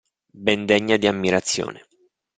Ben degna di ammirazione.